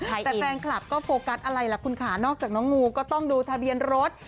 แต่แฟนคลับก็โฟกัสอะไรล่ะคุณค่ะนอกจากน้องงูก็ต้องดูทะเบียนรถ